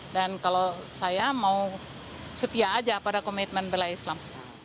dan kalau saya mau setia saja pada komitmen bela islam